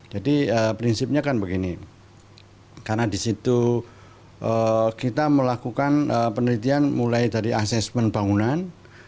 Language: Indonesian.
jadi prinsipnya kan begini karena disitu kita melakukan penelitian mulai dari asesmen bangunan